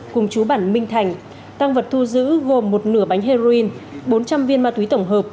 cùng trú bàn minh thành tang vật thu giữ gồm một nửa bánh heroin bốn trăm linh viên ma túy tổng hợp